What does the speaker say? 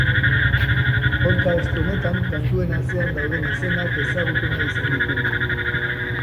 Podcast honetan, kantuen atzean dauden izenak ezagutu nahi izan ditugu.